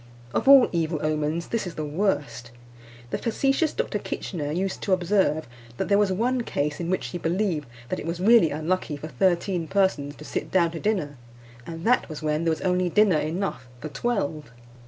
Of all evil omens this is the worst. The facetious Dr. Kitchener used to observe that there was one case in which he believed that it was really unlucky for thirteen persons to sit down to dinner, and that was when there was only dinner enough for twelve.